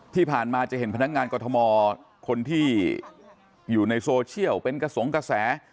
ที่ผ่านมาจะเห็นพนักงานกรทมคนที่อยู่ในโซเชียลเป็นกระสงกระแส